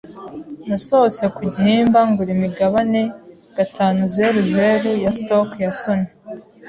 Nasohotse ku gihimba ngura imigabane gatanuzeruzeru ya stock ya Sony.